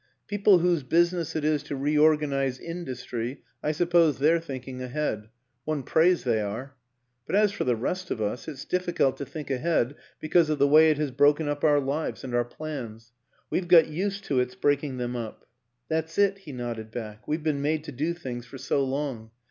People whose business it is to reorganize industry I suppose they're thinking ahead. One prays they are. But as for the rest of us ... it's dif ficult to think ahead because of the way it has broken up our lives and our plans. We've got used to its breaking them up." " That's it," he nodded back. " We've been made to do things for so long.